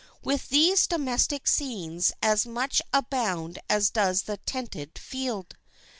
With these domestic scenes as much abound as does the tented field.